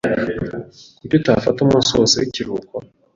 Kuki utafata umunsi wose w'ikiruhuko?